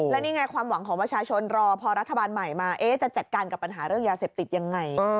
และนี่ไงความหวังของประชาชนรอพอรัฐบาลใหม่มาจะจัดการกับปัญหาเรื่องยาเสพติดยังไง